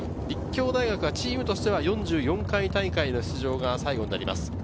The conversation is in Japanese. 立教大学はチームとしては４４回大会の出場が最後になります。